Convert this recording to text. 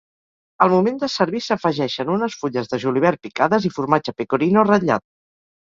Al moment de servir s'afegeixen unes fulles de julivert picades i formatge pecorino ratllat.